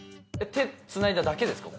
「手つないだだけですか？